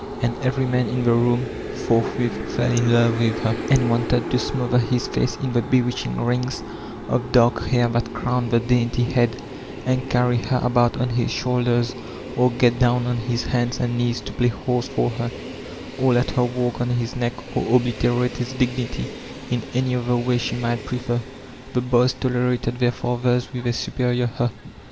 And every man in the room fortii with fell in love with her, and wanted to smodier his face in the bewitching rings of dark hair that u own e d the dainty head, and carry her about on his shoulders, or get down on his hands and knees to play horse for her, or let her walk on his neck, or obliterate his dignity in any other way she might prefer. The boys tolerated their fathers with a superior ''huh